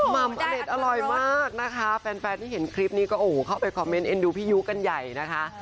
ม่ำอเด็ดอร่อยมากนะคะแฟนที่เห็นคลิปนี้ก็โอ้โหเข้าไปคอมเมนต์เอ็นดูพี่ยุกันใหญ่นะคะ